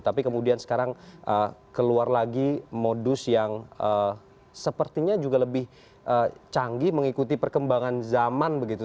tapi kemudian sekarang keluar lagi modus yang sepertinya juga lebih canggih mengikuti perkembangan zaman begitu